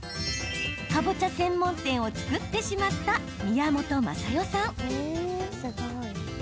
かぼちゃ専門店を作ってしまった宮本雅代さん。